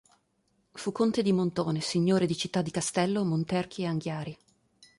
Fu conte di Montone, signore di Città di Castello, Monterchi ed Anghiari.